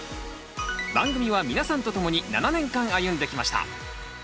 番組は皆さんと共に７年間歩んできました。